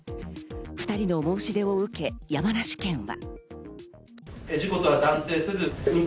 ２人の申し出を受け山梨県は。